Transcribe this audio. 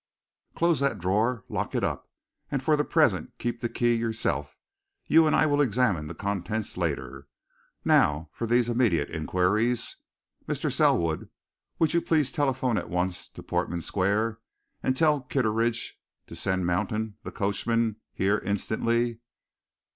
Close that drawer, lock it up, and for the present keep the key yourself you and I will examine the contents later. Now for these immediate inquiries. Mr. Selwood, will you please telephone at once to Portman Square and tell Kitteridge to send Mountain, the coachman, here instantly.